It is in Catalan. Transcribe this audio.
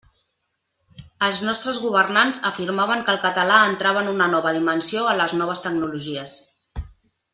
Els nostres governants afirmaven que el català entrava en una nova dimensió en les noves tecnologies.